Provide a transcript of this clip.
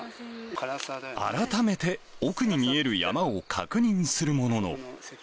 改めて奥に見える山を確認するものの。